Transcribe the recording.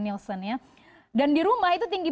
nielsen ya dan di rumah itu tinggi